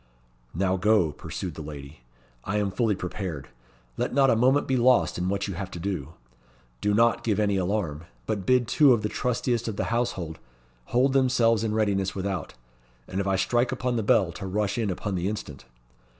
"Now go," pursued the lady; "I am fully prepared. Let not a moment be lost in what you have to do. Do not give any alarm. But bid two of the trustiest of the household hold themselves in readiness without, and if I strike upon the bell to rush in upon the instant.